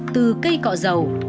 từ cây cọ dầu